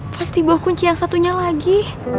pasti buah kunci yang satunya lagi